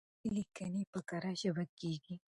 علمي ليکنې په کره ژبه کيږي.